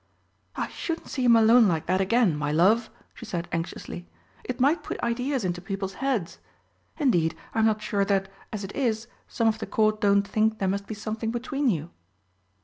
"I shouldn't see him alone like that, again, my love," she said anxiously. "It might put ideas into people's heads. Indeed I'm not sure that, as it is, some of the Court don't think there must be something between you."